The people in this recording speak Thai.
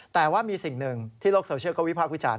แต่ว่ามีสิ่งหนึ่งที่โลกโซเชียลก็วิพากษ์วิจารณ